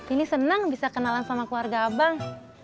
ini senang bisa kenalan sama keluarga abang